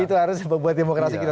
itu harus membuat demokrasi kita